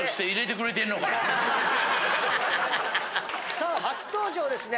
さあ初登場ですね